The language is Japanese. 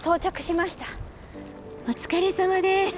お疲れさまです。